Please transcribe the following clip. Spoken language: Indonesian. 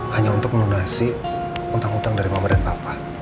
hanya untuk melunasi utang utang dari mama dan papa